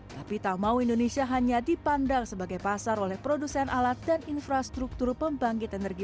tapi tak mau indonesia hanya dipandang sebagai pasar oleh produsen alat dan infrastruktur pembangkit energi